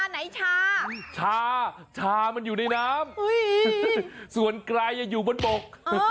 ไหนชาชามันอยู่ในน้ำส่วนไกลอยู่บนบก